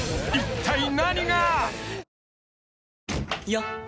よっ！